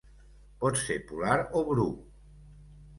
Pot ser polar o bru.